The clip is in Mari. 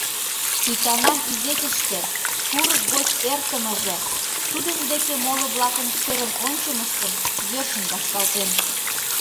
Тӱтанан игечыште курык гоч эртымыже тудын деке моло-влакын шӧрын ончымыштым йӧршын вашталтен.